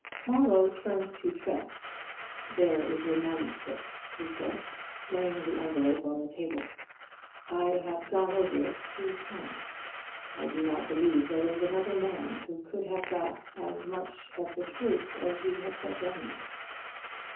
Marlowe turned to Trent. "There is your manuscript," he said, laying the envelop on the table. "I have gone over it three times. I do not believe there is another man who could have got at as much of the truth as you have set down there."